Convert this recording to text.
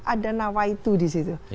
ada nawaitu di situ